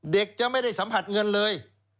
จะไม่ได้สัมผัสเงินเลย